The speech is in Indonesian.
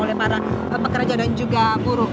oleh para pekerja dan juga buruh